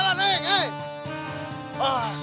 sama ini gimana sih